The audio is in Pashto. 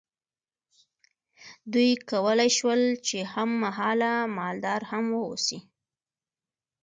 دوی کولی شول چې هم مهاله مالدار هم واوسي.